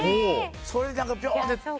それにピョンって。